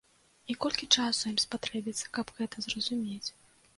І колькі часу ім спатрэбіцца, каб гэта зразумець?